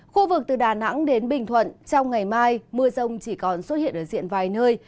khu vực từ đà nẵng đến bình thuận trong ngày mai mưa rông chỉ còn xuất hiện ở diện vài nơi